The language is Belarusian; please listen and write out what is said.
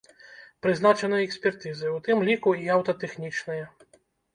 Прызначаныя экспертызы, у тым ліку і аўтатэхнічныя.